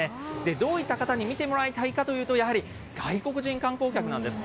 どういった方に見てもらいたいかというと、やはり外国人観光客なんです。